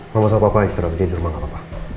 gak masalah papa istirahat bekerja di rumah gak apa apa